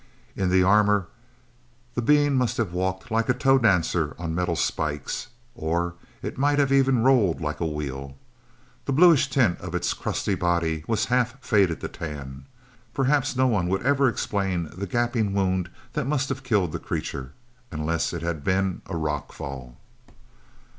In the armor, the being must have walked like a toe dancer, on metal spikes. Or it might even have rolled like a wheel. The bluish tint of its crusty body had half faded to tan. Perhaps no one would ever explain the gaping wound that must have killed the creature, unless it had been a rock fall.